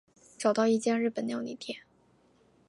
找到一间日本料理店